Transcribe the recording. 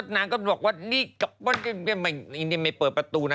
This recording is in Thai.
นางก็บอกว่านี่ไม่เปิดประตูนะ